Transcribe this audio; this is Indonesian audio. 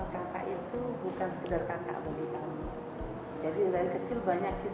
khususnya pribadi saya